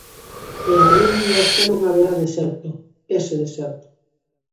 E algún día xa non haberá deserto, ese deserto.